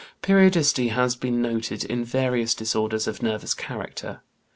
Periodicity has been noted in various disorders of nervous character.